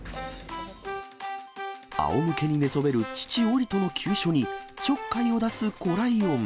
あおむけに寝そべる父、オリトの急所に、ちょっかいを出す子ライオン。